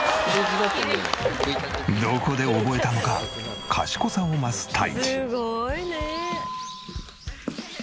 どこで覚えたのか賢さを増すたいち。